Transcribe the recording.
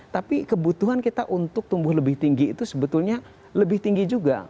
tapi kebutuhan kita untuk tumbuh lebih tinggi itu sebetulnya lebih tinggi juga